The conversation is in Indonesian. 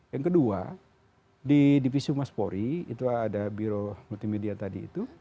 yang kedua di divisi umas polri itu ada biro multimedia tadi itu